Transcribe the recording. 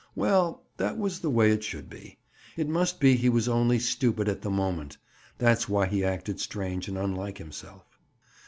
Well, that was the way it should be. It must be he was only stupid at the moment. That's why he acted strange and unlike himself.